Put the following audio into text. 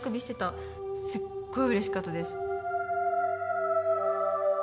すっごいうれしかったです。